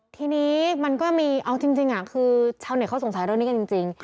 ทีนี้มันก็มีเอาจริงคือชาวเน็ตเขาสงสัยเรื่องนี้กันจริง